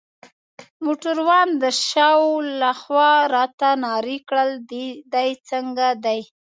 موټروان د شا لخوا راته نارې کړل: دی څنګه دی؟